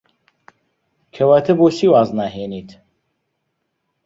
کەواتە بۆچی واز ناهێنیت؟